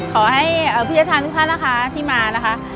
ขอให้พิยธรรมทุกท่านนะคะที่มานะคะ